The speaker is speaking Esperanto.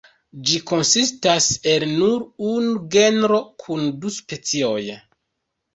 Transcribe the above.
Ĝi konsistas el nur unu genro kun du specioj.